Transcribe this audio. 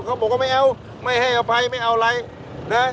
เขาบอกว่าไม่เอาไม่ให้อภัยไม่เอาอะไรนะ